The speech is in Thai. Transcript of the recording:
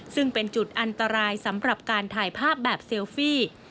ซึ่งเป็นจุดอันตรายสำหรับการถ่ายภาพแบบเซลฟี่